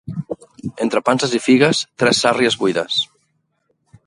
Entre panses i figues, tres sàrries buides.